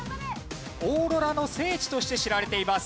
オーロラの聖地として知られています。